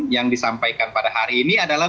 yang disampaikan pada hari ini adalah